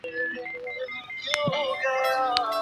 ছোটবেলার বন্ধু না?